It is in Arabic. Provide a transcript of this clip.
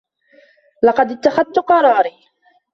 لقد اتّخذت قراري.